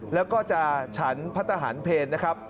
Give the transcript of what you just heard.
แล้วก็จะฉันพระทหารเพลนะครับ